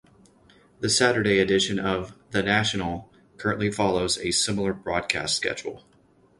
The Saturday edition of "The National" currently follows a similar broadcast schedule.